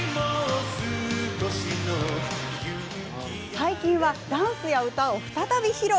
最近はダンスや歌を再び披露。